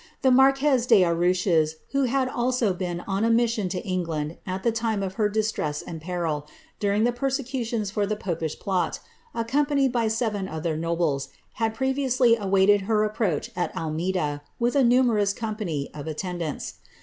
The marquez de roaches, who had also been on a mission to England at the time of r distress and peril, during the persecutions for the popish plot, accom nied by seven other nobles, had previously awaited her approach at ineida, with a numerous company of attendants.